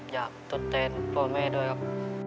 อยากตัดเตรนพ่อแม่ด้วยครับ